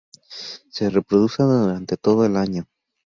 Se reproduce durante todo el año.